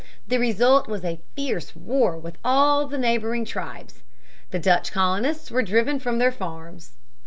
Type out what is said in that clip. The result was a fierce war with all the neighboring tribes. The Dutch colonists were driven from their farms.